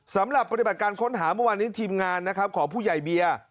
สำหรับปฏิบัติการค้นหาเมื่อวานนี้ทีมงานนะครับของผู้ใหญ่เบียร์